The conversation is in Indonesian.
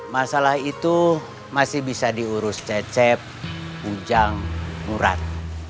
masalah itu masih bisa diurus cecep ujang murat